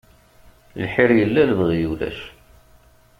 Lḥir yella, lebɣi ulac.